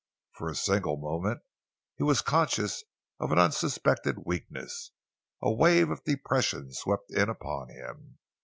For a single moment he was conscious of an unsuspected weakness. A wave of depression swept in upon him.